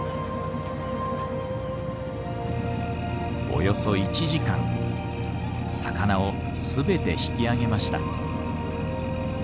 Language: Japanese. およそ１時間魚を全て引き上げました。